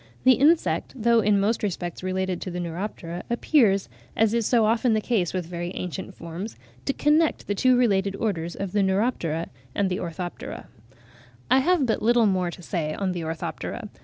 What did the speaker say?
The insect, though in most respects related to the Neuroptera, appears, as is so often the case with very ancient forms, to connect the two related Orders of the Neuroptera and Orthoptera. I have but little more to say on the Orthoptera.